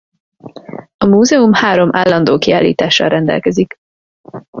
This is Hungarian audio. A múzeum három állandó kiállítással rendelkezik.